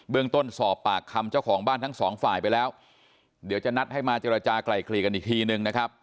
เรื่องต้นสอบปากคำเจ้าของบ้านทั้งสองฝ่ายไปแล้วเดี๋ยวจะนัดให้มาเจรจากลายเกลี่ยกันอีกทีนึงนะครับ